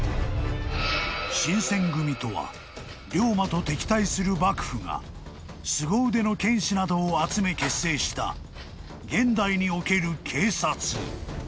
［新選組とは龍馬と敵対する幕府がすご腕の剣士などを集め結成した現代における警察］